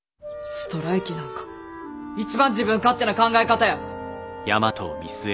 ストライキなんか一番自分勝手な考え方や。